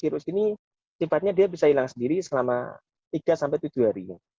virus ini sifatnya dia bisa hilang sendiri selama tiga sampai tujuh hari